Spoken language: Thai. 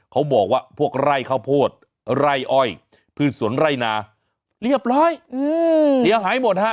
เขาบอกว่าพวกไร่ข้าวโพดไร่อ้อยพืชสวนไร่นาเรียบร้อยอืมเสียหายหมดฮะ